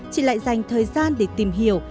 chị lại dành thời gian để tìm hiểu